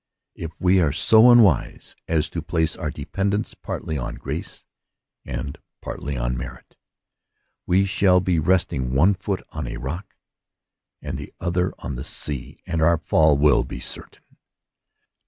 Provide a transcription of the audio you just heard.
If we are so unwise as to place our dependence partly on grace and partly on merit, we shall be resting one foot on a rock and the other on the sea, and our fall will be certain.